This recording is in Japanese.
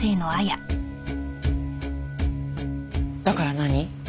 だから何？